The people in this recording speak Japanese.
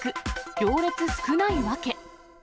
行列少ない訳。